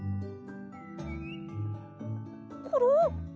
コロ？